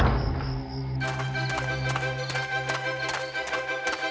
untuk mengelapui helos agar mengira dia sedang tidur